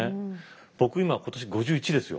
僕今今年５１ですよ。